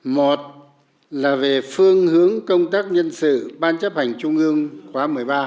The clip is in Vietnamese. một là về phương hướng công tác nhân sự ban chấp hành trung ương khóa một mươi ba